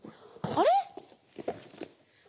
あれ？